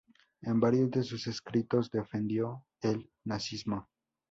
En varios de sus escritos defendió el nazismo.